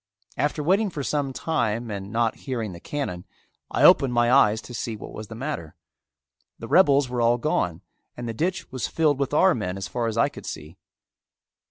After waiting for some time and not hearing the cannon, I opened my eyes to see what was the matter. The rebels were all gone and the ditch was filled with our men as far as I could see.